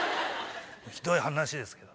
ひどい話ですけど。